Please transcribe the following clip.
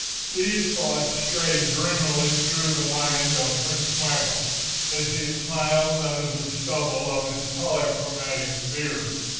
These thoughts strayed dreamily through the mind of Prince Michael, as he smiled under the stubble of his polychromatic beard.